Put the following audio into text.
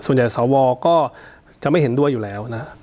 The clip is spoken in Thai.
ส่วนใหญ่ศาลวอก็จะไม่เห็นด้วยอยู่แล้วนะครับ